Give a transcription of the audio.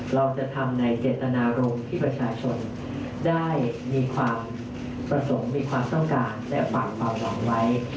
เราจะทำในเจตนารมณ์ที่ประชาชนได้มีความประสงค์มีความต้องการและฝากความหวังไว้